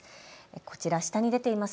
こちら下に出ています